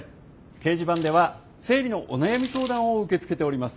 掲示板では生理のお悩み相談を受け付けております。